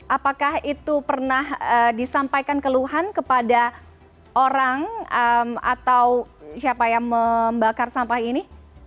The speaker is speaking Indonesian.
apakah itu pernah disampaikan keluhan kepada orang atau siapa yang membakar sampah ini